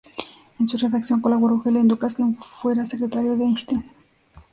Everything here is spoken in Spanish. En su redacción colaboró Helen Dukas, quien fuera secretaria de Einstein.